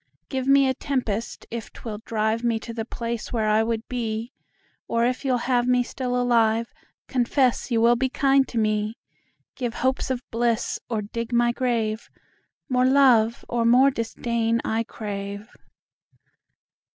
Give me a tempest if 'twill drive Me to the place where I would be; Or if you'll have me still alive, Confess you will be kind to me. 10 Give hopes of bliss or dig my grave: More love or more disdain I crave.